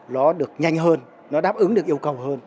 nó được nhanh hơn nó đáp ứng được yêu cầu hơn